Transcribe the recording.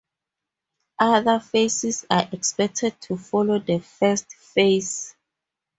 Other phases are expected to follow the first phase.